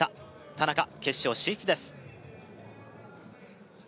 田中決勝進出です